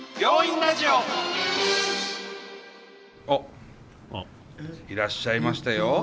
あっいらっしゃいましたよ。